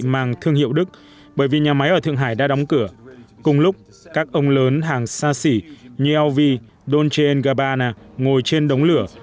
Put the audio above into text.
bằng hiệu đức bởi vì nhà máy ở thượng hải đã đóng cửa cùng lúc các ông lớn hàng xa xỉ như lv dolce gabbana ngồi trên đóng lửa